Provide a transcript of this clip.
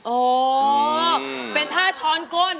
โอ้เป็นท่าช้อนก้น